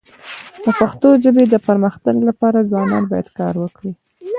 د پښتو ژبي د پرمختګ لپاره ځوانان باید کار وکړي.